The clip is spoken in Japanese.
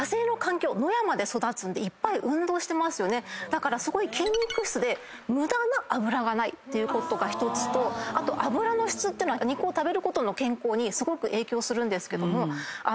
だからすごい筋肉質で無駄な脂がないっていうことが１つとあと脂の質って肉を食べることの健康にすごく影響するんですけども脂の質がいいんですね。